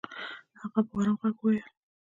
هغه په ارام ږغ وويل.